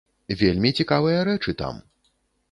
Вельмі цікавыя рэчы там.